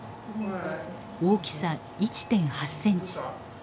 大きさ１．８センチ。